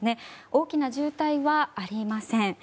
大きな渋滞はありません。